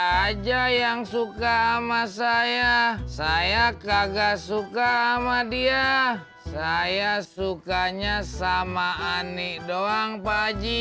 aja yang suka ama saya saya kagak suka ama dia saya sukanya sama anik doang pak haji